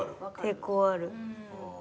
抵抗ある。